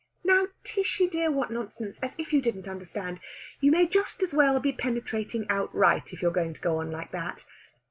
"Now, Tishy dear, what nonsense! As if you didn't understand! You may just as well be penetrating outright, if you're going to go on like that.